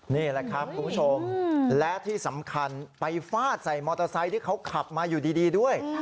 นี่แหละครับคุณผู้ชมและที่สำคัญไปฟาดใส่มอเตอร์ไซค์ที่เขาขับมาอยู่ดีด้วย